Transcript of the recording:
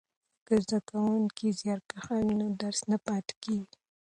که زده کوونکی زیارکښ وي نو درس نه پاتیږي.